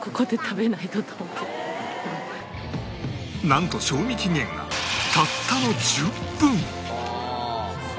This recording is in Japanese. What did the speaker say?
なんと賞味期限がたったの１０分！